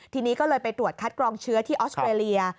ทีนี้ก็เลยไปตรวจคัดกรองเชื้อที่ออสเตรเลีย